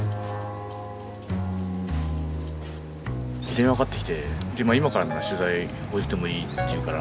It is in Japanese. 電話かかってきて今からなら取材応じてもいいって言うから。